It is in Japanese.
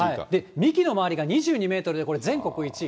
幹の周りが２２メートルで、全国１位。